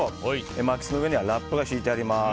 巻き簾の上にはラップが敷いてあります。